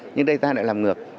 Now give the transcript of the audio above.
nhưng đây ta lại làm ngược